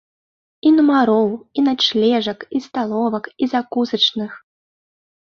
І нумароў, і начлежак, і сталовак, і закусачных!